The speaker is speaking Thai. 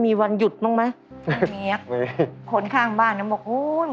มีวันหยุดบ้างไหมเมียคนข้างบ้านนั้นบอกโอ้ย